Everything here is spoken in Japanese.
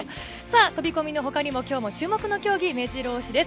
飛込のほかにも今日も注目の競技が目白押しです。